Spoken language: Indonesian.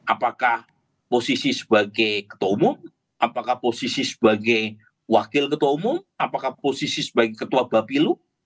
apakah posisi sebagai ketua umum apakah posisi sebagai wakil ketua umum apakah posisi sebagai ketua bapilu